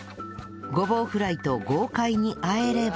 ごぼうフライと豪快に和えれば